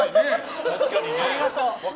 ありがとう。